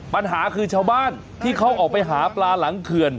ปัญหาคือชาวบ้านที่เขาออกไปหาปลาหลังเขื่อน